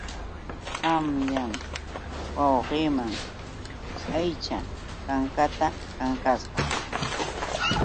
Qanyan wawqiiwan aycha kankatam kankasqa.